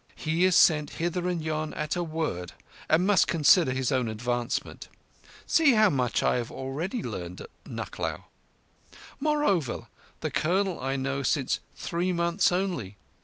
He is sent hither and yon at a word, and must consider his own advancement. (See how much I have already learned at Nucklao!) Moreover, the Colonel I know since three months only.